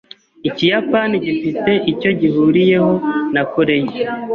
Ikiyapani gifite icyo gihuriyeho na koreya.